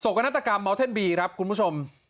ศพกณะตะกรรมมอลเทนบีครับคุณผู้ชม